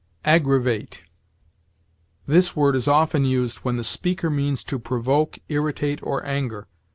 AGGRAVATE. This word is often used when the speaker means to provoke, irritate, or anger.